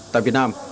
tại việt nam